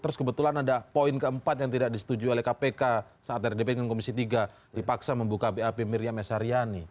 terus kebetulan ada poin keempat yang tidak disetujui oleh kpk saat rdp dengan komisi tiga dipaksa membuka bap miriam s haryani